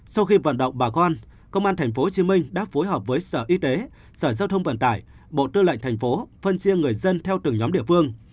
sau khi vận động bà con công an tp hcm đã phối hợp với sở y tế sở giao thông vận tải bộ tư lệnh thành phố phân chia người dân theo từng nhóm địa phương